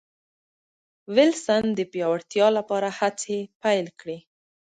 وېلسن د پیاوړتیا لپاره هڅې پیل کړې.